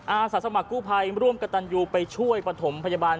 อาสาสมัครกู้ภัยร่วมกับตันยูไปช่วยประถมพยาบาล